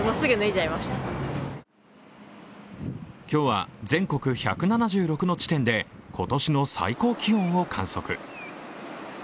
今日は全国１７６の地点で今年の最高気温を観測。